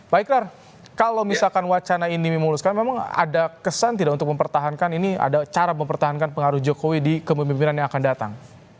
pak ikrar kalau misalkan wacana ini memuluskan memang ada kesan tidak untuk mempertahankan ini ada cara mempertahankan pengaruh jokowi di kepemimpinan yang akan datang